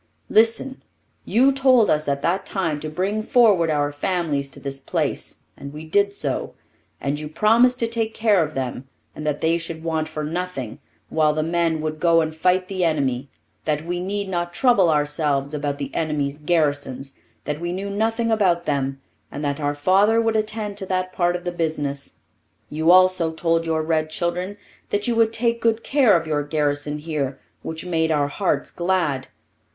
Listen! You told us at that time to bring forward our families to this place, and we did so, and you promised to take care of them and that they should want for nothing, while the men would go and fight the enemy; that we need not trouble ourselves about the enemy's garrisons; that we knew nothing about them and that our father would attend to that part of the business. You also told your red children that you would take good care of your garrison here, which made our hearts glad.